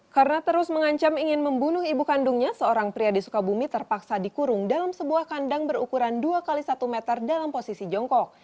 karena terus mengancam ingin membunuh ibu kandungnya seorang pria di sukabumi terpaksa dikurung dalam sebuah kandang berukuran dua x satu meter dalam posisi jongkok